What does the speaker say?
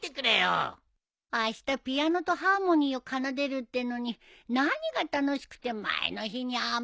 あしたピアノとハーモニーを奏でるってのに何が楽しくて前の日に雨漏り。